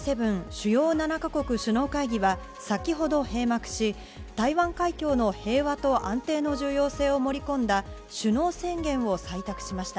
主要７か国首脳会議は先ほど閉幕し台湾海峡の平和と安定を盛り込んだ首脳宣言を採択しました。